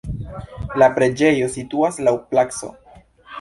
La preĝejo situas laŭ placo.